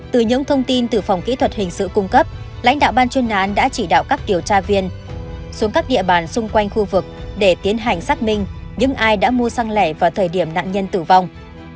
từ những thông tin từ phòng kỹ thuật hình sự cung cấp lãnh đạo ban chuyên án đã chỉ đạo các điều tra viên xuống các địa bàn xung quanh khu vực để tiến hành xác minh những ai đã mua xăng lẻ vào thời điểm nạn nhân tử vong